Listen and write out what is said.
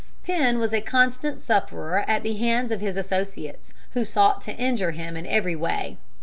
Penn was a constant sufferer at the hands of his associates, who sought to injure him in every way.